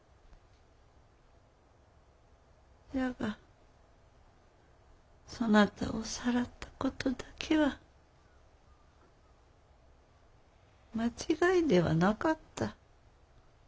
じゃがそなたをさらったことだけは間違いではなかった。